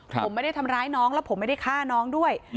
ผมไม่ได้ทำร้ายน้องแล้วผมไม่ได้ฆ่าน้องด้วย